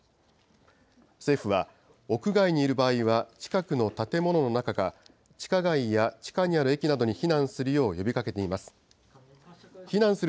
政府は屋外にいる場合は近くの建物の中か、地下街や地下にある駅などに避難するよう呼びかけています。